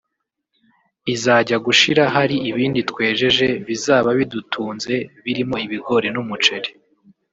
izajya gushira hari ibindi twejeje bizaba bidutnze birimo ibigori n’umuceri